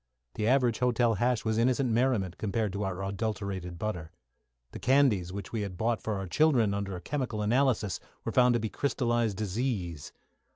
The average hotel hash was innocent merriment compared to our adulterated butter. The candies, which we bought for our children, under chemical analysis, were found to be crystallised disease.